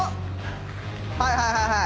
はいはいはいはい！